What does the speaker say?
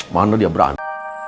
mana dia berani